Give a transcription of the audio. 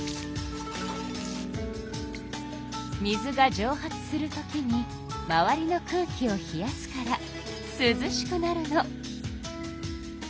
水がじょう発する時に周りの空気を冷やすからすずしくなるの。